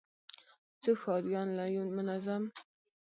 څو ښاريان له يو منظم،